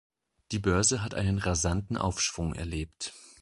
Die Börse hat einen rasanten Aufschwung erlebt.